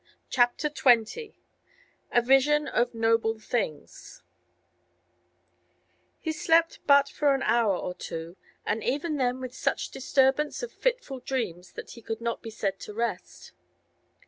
CHAPTER XX A VISION OF NOBLE THINGS He slept but for an hour or two, and even then with such disturbance of fitful dreams that he could not be said to rest.